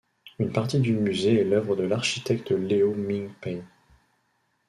Une partie du musée est l'œuvre de l'architecte Ieoh Ming Pei.